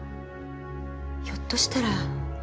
ひょっとしたら？